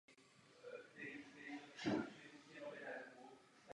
Proto může způsobit značné škody v lesních porostech i ovocných sadech poblíž kolonie.